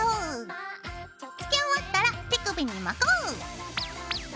付け終わったら手首に巻こう！